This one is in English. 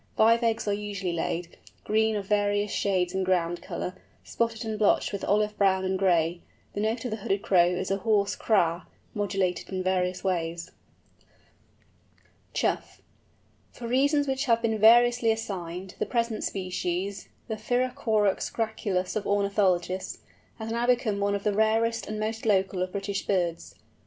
Five eggs are usually laid, green of various shades in ground colour, spotted and blotched with olive brown and gray. The note of the Hooded Crow is a hoarse kra, modulated in various ways. CHOUGH. For reasons which have been variously assigned, the present species, the Pyrrhocorax graculus of ornithologists, has now become one of the rarest and most local of British birds.